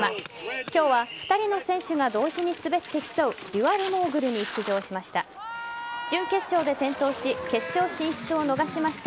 今日は２人の選手が同時に滑って競うデュアルモーグルに出場しました。